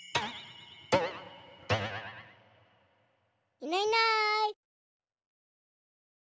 いないいない。